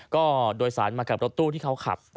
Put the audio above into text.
ก็โดยสารมากับรถตู้ที่เขาขับ